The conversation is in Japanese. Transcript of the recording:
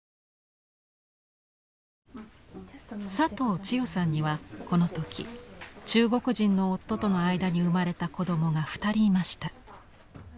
佐藤千代さんにはこの時中国人の夫との間に生まれた子どもが２人いました。